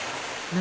何？